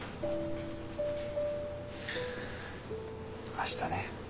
明日ね。